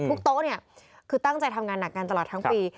โต๊ะเนี่ยคือตั้งใจทำงานหนักงานตลอดทั้งปี